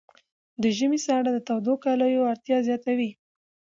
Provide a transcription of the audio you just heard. د ژمي ساړه د تودو کالیو اړتیا زیاتوي.